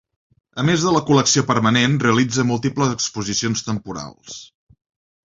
A més de la col·lecció permanent, realitza múltiples exposicions temporals.